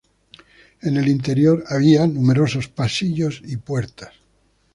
En el interior había numerosos pasillos y puertas.